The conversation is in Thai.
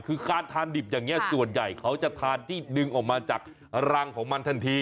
คือการทานดิบอย่างนี้ส่วนใหญ่เขาจะทานที่ดึงออกมาจากรังของมันทันที